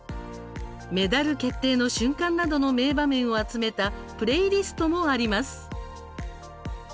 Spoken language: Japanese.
メダル決定の瞬間などの名場面を集めたプレイリストもあります。